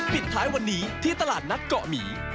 ปิดท้ายวันนี้ที่ตลาดนัดเกาะหมี